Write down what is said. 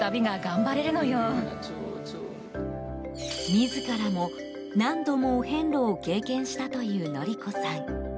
自らも何度もお遍路を経験したという徳子さん。